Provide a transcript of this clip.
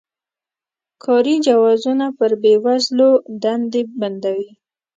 کاري جوازونه پر بې وزلو دندې بندوي.